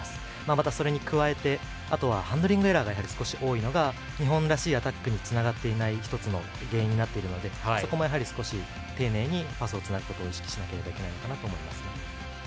また、それに加えてハンドリングエラーが多いのが日本らしいアタックにつながっていない１つの原因になっているのでそこも丁寧にパスをすることを意識しないといけないと思いますね。